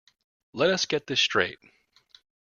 Let us get this straight.